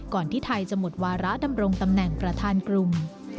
ที่ไทยจะหมดวาระดำรงตำแหน่งประธานกลุ่ม